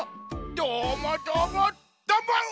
どーもどーもどーも！